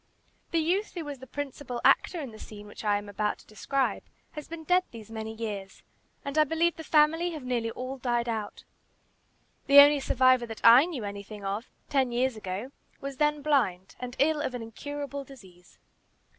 The youth who was the principal actor in the scene which I am about to describe, has been dead these many years, and I believe the family have nearly all died out. The only survivor that I knew anything of ten years ago was then blind, and ill of an incurable disease.